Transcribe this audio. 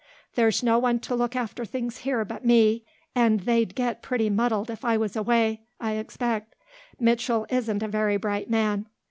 There's no one to look after things here but me and they'd get pretty muddled if I was away, I expect. Mitchell isn't a very bright man."